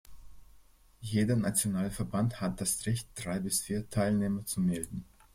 Jeder nationale Verband hat das Recht, drei bis vier Teilnehmer zu melden.